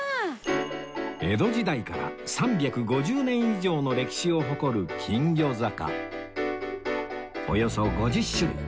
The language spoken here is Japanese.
江戸時代から３５０年以上の歴史を誇る金魚坂